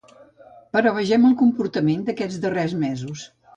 Però vegem el comportament d’aquests darrers mesos.